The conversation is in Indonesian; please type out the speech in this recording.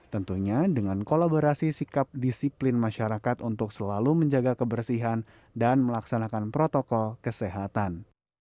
tentunya dengan kolaborasi sikap disiplin masyarakat untuk selalu menjaga kebersihan dan melaksanakan protokol kesehatan